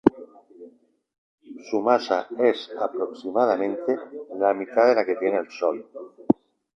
Su masa es aproximadamente la mitad de la que tiene el Sol.